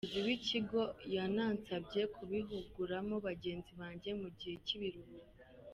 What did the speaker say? Umuyobozi w’Ikigo yanansabye kubihuguramo bagenzi banjye mu gihe cy’ibiruhuko.